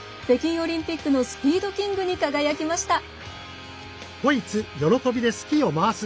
北京オリンピックのスピードキングに輝きました。